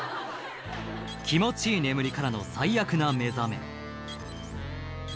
気持ちいい眠りからの最悪な目覚め